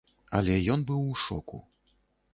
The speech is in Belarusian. Але ён быў у шоку.